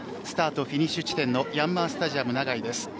スタート・フィニッシュ地点のヤンマースタジアム長居です。